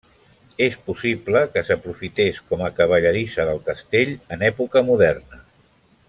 És possible que s'aprofités com a cavallerissa del castell en època moderna.